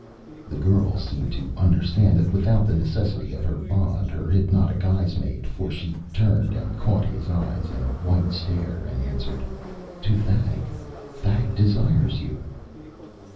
The girl seemed to understand that without the necessity of the bond her hypnotic eyes made, for she turned and caught his eyes in a white stare and answered, "To Thag. Thag desires you."